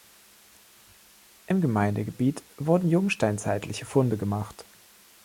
Im Gemeindegebiet wurden jungsteinzeitliche Funde gemacht.